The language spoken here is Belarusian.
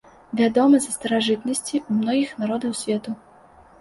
Вядома са старажытнасці ў многіх народаў свету.